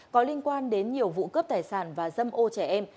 có liên quan đến nhiều vụ cướp tài sản và dâm ô trẻ em